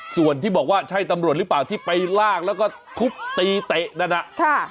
ส่วนที่บอกว่าใช่ตำรวจหรือเปล่าที่ไปลากแล้วก็ทุบตีเตะนั่นน่ะค่ะ